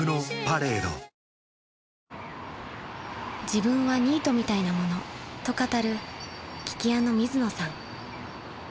［「自分はニートみたいなもの」と語る聞き屋の水野さん］